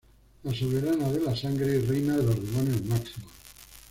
La Soberana de la Sangre y Reina de los Demonios Máximos.